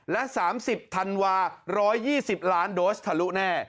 และ๓๐ธันวา๑๒๐ล้านโดสทะลุแน่